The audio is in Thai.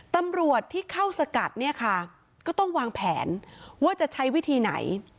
ตำรวจที่เข้าสกัดเนี่ยค่ะก็ต้องวางแผนว่าจะใช้วิธีไหน